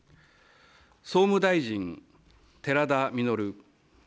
総務大臣、寺田稔。